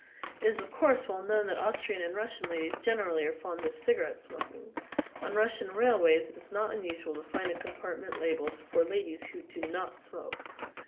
It is, of course, well known that Austrian and Russian ladies generally are fond of cigarette smoking. On Russian railways it is not unusual to find a compartment labelled "For ladies who do not smoke."